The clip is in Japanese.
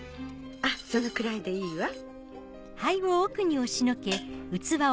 あっそのくらいでいいわ。